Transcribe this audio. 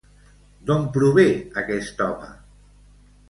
D'on prové aquest home?